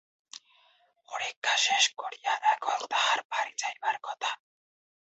পরীক্ষা শেষ করিয়া এখন তাহার বাড়ি যাইবার কথা।